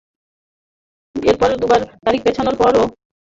এরপর দুবার তারিখ পেছানোর পরও অপারেটরদের অনাগ্রহে নিলাম-প্রক্রিয়া স্থগিত হয়ে যায়।